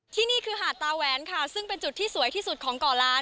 ที่นี่คือหาดตาแหวนค่ะซึ่งเป็นจุดที่สวยที่สุดของก่อล้าน